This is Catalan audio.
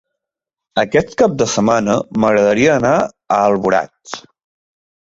Aquest cap de setmana m'agradaria anar a Alboraig.